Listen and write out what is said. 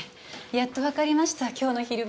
やっとわかりました今日の昼間に。